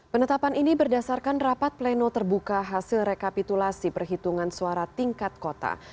penetapan ini berdasarkan rapat pleno terbuka hasil rekapitulasi perhitungan suara tingkat kota